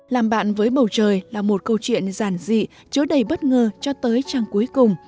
làm bạn với bầu trời là một câu chuyện giản dị chứa đầy bất ngờ cho tới trang cuối cùng